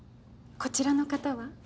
こちらの方は？